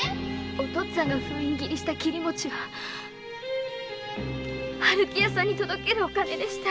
お父っつあんが封印切りした切餅は春喜屋さんに届けるお金でした。